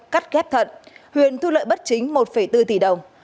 cắt ghép thận huyền thu lợi bất chính một bốn tỷ đồng